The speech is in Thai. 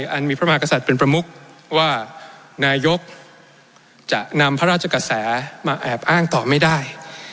อันมีพระมหากษัตริย์เป็นประมุกว่านายกจะนำพระราชกระแสมาแอบอ้างต่อไม่ได้